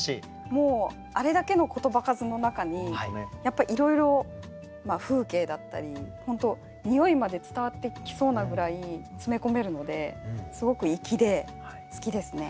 もうあれだけの言葉数の中にやっぱいろいろ風景だったり本当においまで伝わってきそうなぐらい詰め込めるのですごく粋で好きですね。